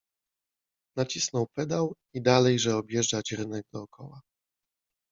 Nacisnął pedał i dalejże objeżdżać rynek dokoła.